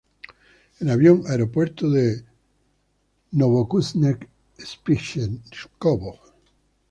En avión: Aeropuerto de Novokuznetsk-Spichenkovo.